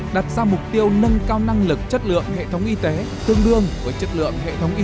đặt ra mục tiêu nâng cao năng lực chất lượng hệ thống y tế tương đương với chất lượng hệ thống y